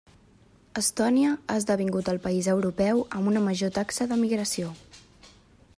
Estònia ha esdevingut el país europeu amb una major taxa d'emigració.